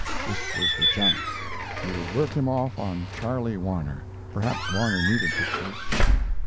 This was the chance! He would work him off on Charlie Warner. Perhaps Warner needed pictures.